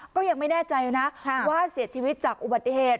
ก็ยังไม่แน่ใจนะว่าเสียชีวิตจากอุบัติเหตุ